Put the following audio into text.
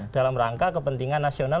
dalam rangka kepentingan nasional